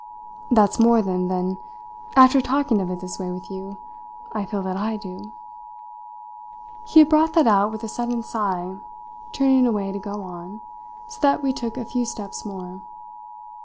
"That's more, then, than after talking of it this way with you I feel that I do!" He had brought that out with a sudden sigh, turning away to go on; so that we took a few steps more.